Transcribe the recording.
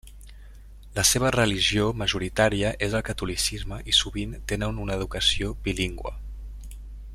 La seva religió majoritària és el catolicisme i sovint tenen una educació bilingüe.